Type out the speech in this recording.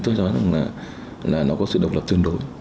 tôi nói rằng là nó có sự độc lập tương đối